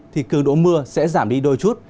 thì cường độ mưa sẽ giảm đi đôi chút